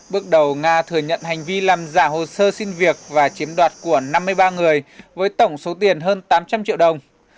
bước đầu nga thừa nhận hành vi làm giả hồ sơ xin việc và chiếm đoạt của năm mươi ba người với tổng số tiền hơn tám trăm linh triệu đồng